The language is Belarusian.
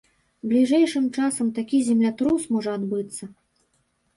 Бліжэйшым часам такі землятрус можа адбыцца.